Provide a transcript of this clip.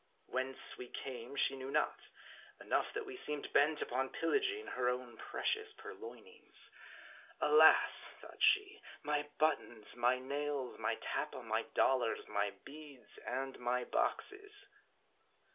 Whence we came she knew not ; enough, that we seemed bent upon pillaging her own precious puiioinings. Alas ! thought she, my buttons, my nails, my tappa, my dollars, my beads, and my boxes